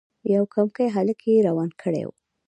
یو کمکی هلک یې روان کړی وو.